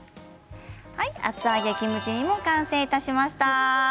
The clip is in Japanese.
厚揚げキムチ煮完成いたしました。